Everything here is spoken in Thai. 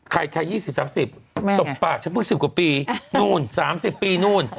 ใคร๒๐๓๐ตบปากฉันเพิ่ง๑๐กว่าปีนู่น๓๐ปีนู่น